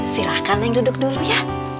silahkan yang duduk dulu ya